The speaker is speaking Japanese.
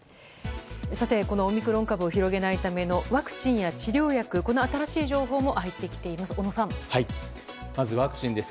オミクロン株を広げないためのワクチンや治療薬の新しい情報も入っています。